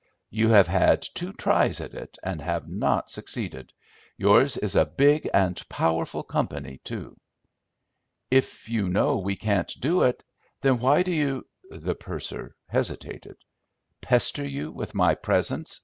You have had two tries at it and have not succeeded. Yours is a big and powerful company too." "If you know we can't do it, then why do you—?" The purser hesitated. "Pester you with my presence?"